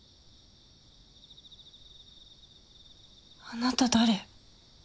あなた誰？